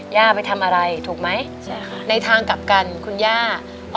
ย่าไปทำอะไรถูกมั้ยในทางกลับกันคุณย่าอย่าคลับไปจัดการ